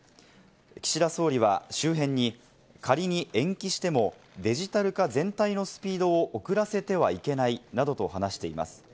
岸田総理は周辺に仮に延期してもデジタル化全体のスピードを遅らせてはいけないなどと話しています。